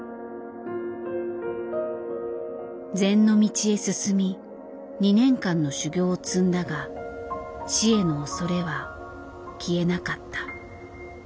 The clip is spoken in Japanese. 禅の道へ進み２年間の修行を積んだが死への恐れは消えなかった。